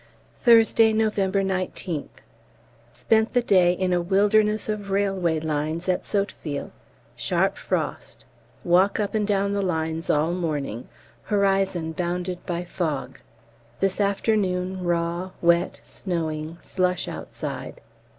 Thursday, November 19th. Spent the day in a wilderness of railway lines at Sotteville sharp frost; walk up and down the lines all morning; horizon bounded by fog. This afternoon raw, wet, snowing, slush outside.